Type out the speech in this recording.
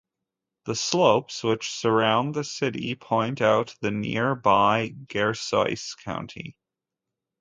The slopes which surround the city point out the nearby gersois country.